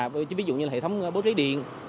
ví dụ như hệ thống bố trí điện